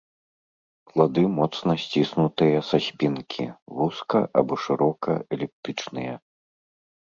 Плады моцна сціснутыя са спінкі, вузка або шырока эліптычныя.